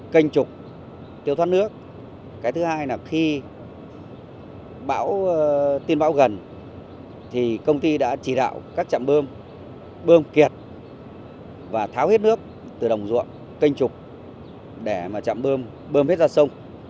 cái thứ hai là khi tin bão gần thì công ty đã chỉ đạo các trạm bơm bơm kiệt và tháo hết nước từ đồng ruộng kênh trục để mà trạm bơm hết ra sông